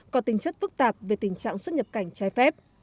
có tính chất phức tạp về tình trạng xuất nhập cảnh trái phép